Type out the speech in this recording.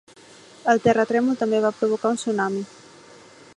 El terratrèmol també va provocar un tsunami.